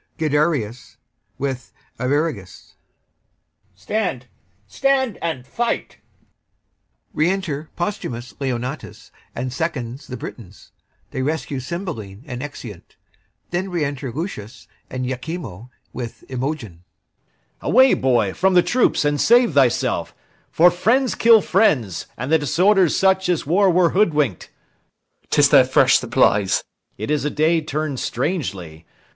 GUIDERIUS and ARVIRAGUS. Stand, stand, and fight! Re enter POSTHUMUS, and seconds the Britons; they rescue CYMBELINE, and exeunt. Then re enter LUCIUS and IACHIMO, with IMOGEN LUCIUS. Away, boy, from the troops, and save thyself; For friends kill friends, and the disorder's such As war were hoodwink'd. IACHIMO. 'Tis their fresh supplies. LUCIUS. It is a day turn'd strangely.